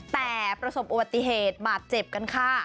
แต่ประสบอุบัติเหตุบาดเจ็บกันค่ะ